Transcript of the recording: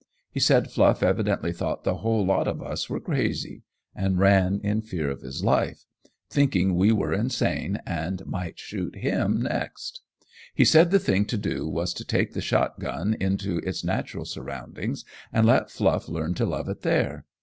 He said Fluff evidently thought the whole lot of us were crazy, and ran in fear of his life, thinking we were insane and might shoot him next. He said the thing to do was to take the shotgun into its natural surroundings and let Fluff learn to love it there.